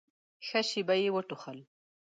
ښه شېبه يې وټوخل.